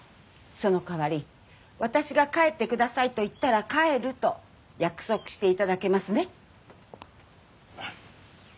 そのかわり私が「帰ってください」と言ったら帰ると約束していただけますね？